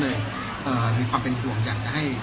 นั่นจากผมเป็นสังเกต